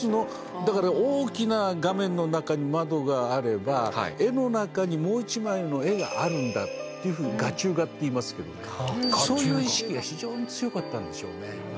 だから大きな画面の中に窓があれば絵の中にもう一枚の絵があるんだって画中画っていいますけどねそういう意識が非常に強かったんでしょうね。